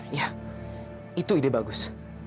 iya itu ide bagus